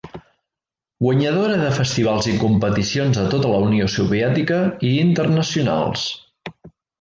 Guanyadora de festivals i competicions a tota la Unió Soviètica i internacionals.